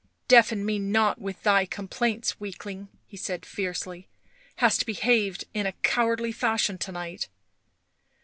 " Deafen me not with thy complaints, weakling," he said fiercely. " Hast behaved in a cowardly fashion to night."